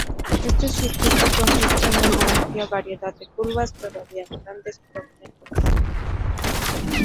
Este circuito consiste en una amplia variedad de curvas, pero había grandes problemas.